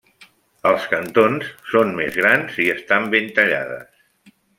Als cantons, són més grans i estan ben tallades.